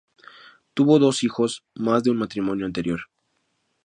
Tuvo dos hijos más de un matrimonio anterior.